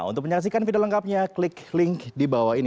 untuk menyaksikan video lengkapnya klik link di bawah ini